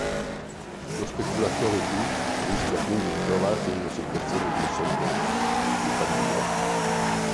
Lo speculatore "B" rischia quindi di trovarsi in una situazione di insolvenza, di fallire.